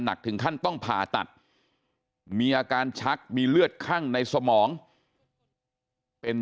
หนักถึงขั้นต้องผ่าตัดมีอาการชักมีเลือดคั่งในสมองเป็น